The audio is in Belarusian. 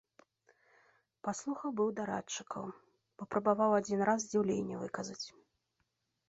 Паслухаў быў дарадчыкаў, папрабаваў адзін раз здзіўленне выказаць.